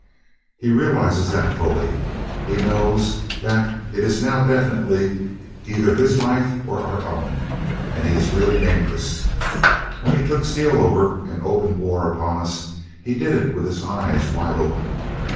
"He realizes that fully. He knows that it is now definitely either his life or our own, and he is really dangerous. When he took Steel over and opened war upon us, he did it with his eyes wide open.